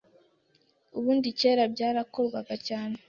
Ubundi kera byarakorwaga cyane